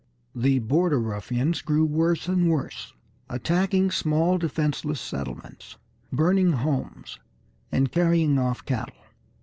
The "border ruffians" grew worse and worse, attacking small defenseless settlements, burning homes and carrying off cattle.